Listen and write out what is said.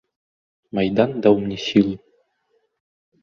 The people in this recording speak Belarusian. Майдан даў мне сілы.